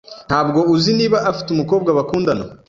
Ntabwo uzi niba afite umukobwa bakundana?